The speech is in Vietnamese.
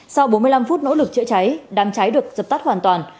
sau bốn mươi năm phút nỗ lực chữa cháy đám cháy được dập tắt hoàn toàn